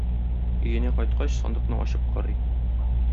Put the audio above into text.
Өенә кайткач, сандыкны ачып карый.